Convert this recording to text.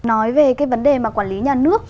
nói về cái vấn đề mà quản lý nhà nước